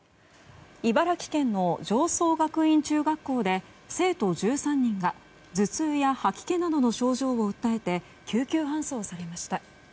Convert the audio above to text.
茨城県の常総学院中学校で生徒１３人が頭痛や吐き気などの症状を訴えて救急搬送されました。